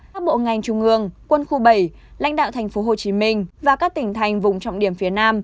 các bộ ngành trung ương quân khu bảy lãnh đạo tp hcm và các tỉnh thành vùng trọng điểm phía nam